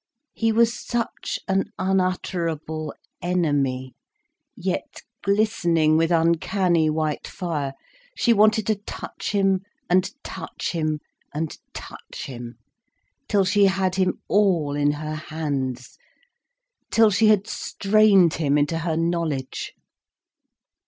He was such an unutterable enemy, yet glistening with uncanny white fire. She wanted to touch him and touch him and touch him, till she had him all in her hands, till she had strained him into her knowledge.